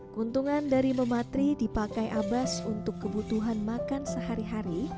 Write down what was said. keuntungan dari mematri dipakai abbas untuk kebutuhan makan sehari hari